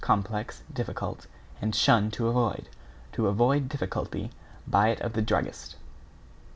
complex, difficult, and shun, to avoid. To avoid difficulty, buy it of the druggist.